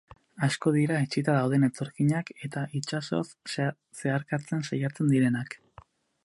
Asko dira etsita dauden etorkinak eta itsasoz zeharkatzen saiatzen direnak.